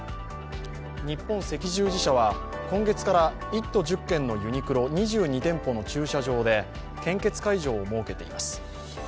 日本赤十字社は今月から１都１０県のユニクロ２２店舗の駐車場で献血会場を設けています。